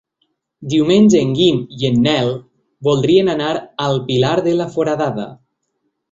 Diumenge en Guim i en Nel voldrien anar al Pilar de la Foradada.